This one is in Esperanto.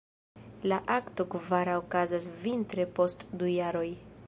La akto kvara okazas vintre post du jaroj.